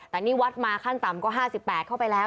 แต่นี่วัดมาขั้นต่ำก็๕๘เข้าไปแล้ว